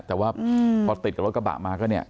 แต่ว่าพอติดกับรถกระบะมาก็เนี่ย